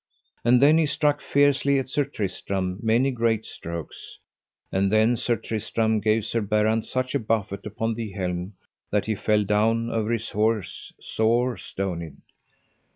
And then he struck fiercely at Sir Tristram many great strokes. And then Sir Tristram gave Sir Berrant such a buffet upon the helm that he fell down over his horse sore stonied.